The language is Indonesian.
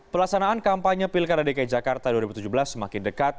pelaksanaan kampanye pilkada dki jakarta dua ribu tujuh belas semakin dekat